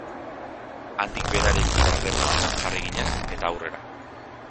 Handik berarekin harremanetan jarri ginen, eta aurrera.